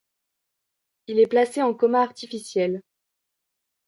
Il est placé en coma artificiel.